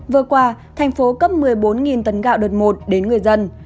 vừa qua thành phố cấp một mươi bốn tấn gạo đợt một đến người dân